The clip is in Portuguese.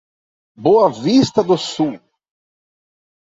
Boa Vista do Sul